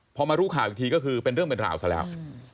พอมารู้ข่าวอีกทีก็คือเป็นเรื่องเป็นราวซะแล้ว